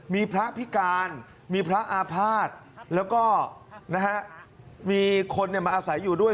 มีพระพิการมีพระอาภาษณ์แล้วก็มีคนมาอาศัยอยู่ด้วย